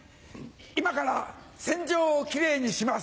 今から戦場をキレイにします！